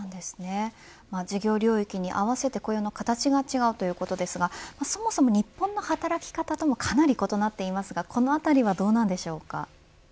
事業領域に合わせて雇用の形が違うということですがそもそも日本の働き方ともかなり異なっていますがこのあたりはどうなんでしょうか。